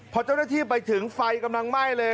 พอเจ้าหน้าที่ไปถึงไฟกำลังไหม้เลย